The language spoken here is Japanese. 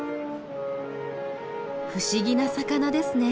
不思議な魚ですね。